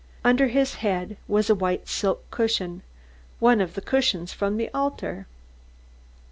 Under his head was a white silk cushion, one of the cushions from the altar.